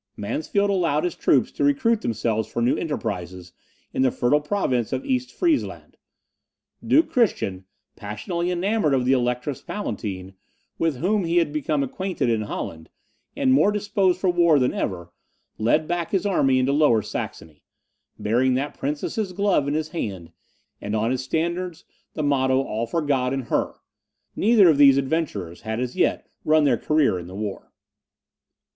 Mansfeld allowed his troops to recruit themselves for new enterprises in the fertile province of East Friezeland. Duke Christian, passionately enamoured of the Electress Palatine, with whom he had become acquainted in Holland, and more disposed for war than ever, led back his army into Lower Saxony, bearing that princess's glove in his hat, and on his standards the motto "All for God and Her". Neither of these adventurers had as yet run their career in this war.